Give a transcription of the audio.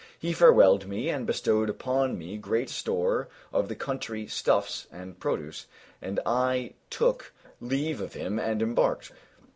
He farewelled me and bestowed upon me great store of the country stuffs and produce; and I took leave of him and embarked.